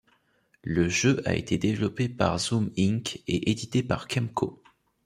Le jeu a été développé par Zoom Inc. et édité par Kemco.